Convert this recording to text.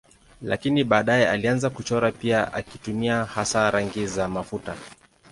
Lakini baadaye alianza kuchora pia akitumia hasa rangi za mafuta.